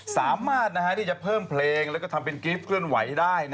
สามารถที่จะเพิ่มเพลงแล้วก็ทำเป็นกริปเคลื่อนไหวได้